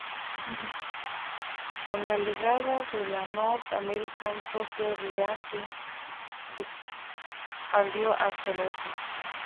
Con la legada de la North American Soccer League, se expandió hasta el Oeste.